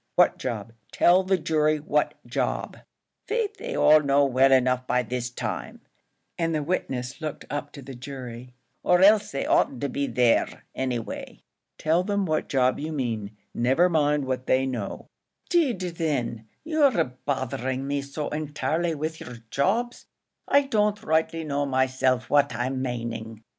"What job? Tell the jury what job." "Faix, they all know well enough by this time," and the witness looked up to the jury, " or else they oughtn't to be there, any way." "Tell them what job you mean never mind what they know." "'Deed thin, you're bothering me so entirely with yer jobs, I don't rightly know myself which I'm maning."